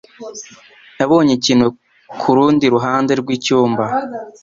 Nabonye ikintu kurundi ruhande rwicyumba.